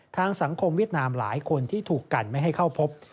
ทางสังคมเวียดนามหลายคนที่ถูกกันไม่ให้เข้าพบ